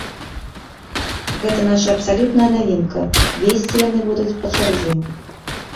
Гэта наша абсалютная навінка, весці яны будуць па чарзе.